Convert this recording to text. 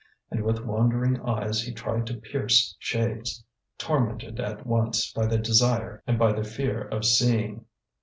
And with wandering eyes he tried to pierce shades, tormented at once by the desire and by the fear of seeing.